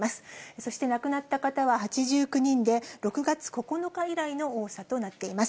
そして亡くなった方は８９人で、６月９日以来の多さとなっています。